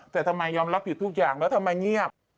แต่ทำไมยอมรับผิดทุกอย่างแล้วทำไมเงียบ